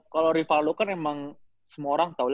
kalau rivaldo kan emang semua orang tau